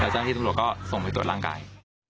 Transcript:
เจ้าที่ตำรวจก็ส่งไปตรวจร่างกาย